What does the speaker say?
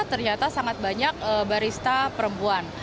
ternyata sangat banyak barista perempuan